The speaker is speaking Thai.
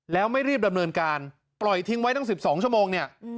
แล้วไม่รีบดำเนินการปล่อยทิ้งไว้ตั้ง๑๒ชั่วโมงเนี่ย